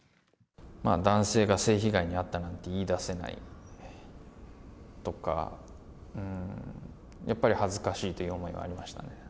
男性が性被害に遭ったなんて言い出せないとか、やっぱり恥ずかしいという思いがありましたね。